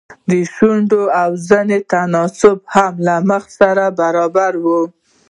د شونډو او زنې تناسب يې هم له مخ سره برابر و.